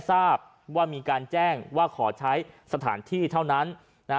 ทราบว่ามีการแจ้งว่าขอใช้สถานที่เท่านั้นนะฮะ